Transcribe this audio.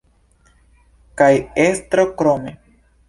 Kaj estro krome.